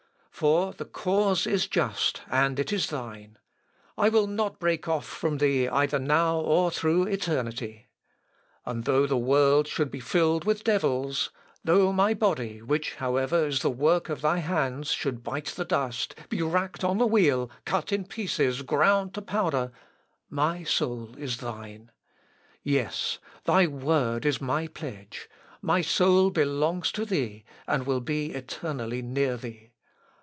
For the cause is just, and it is thine!... I will not break off from thee either now or through eternity!... And though the world should be filled with devils, though my body, which however is the work of thy hands, should bite the dust, be racked on the wheel, cut in pieces ... ground to powder ... my soul is thine. Yes, thy Word is my pledge. My soul belongs to thee, and will be eternally near thee....